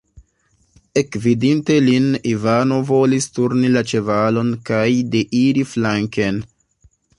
Ekvidinte lin, Ivano volis turni la ĉevalon kaj deiri flanken.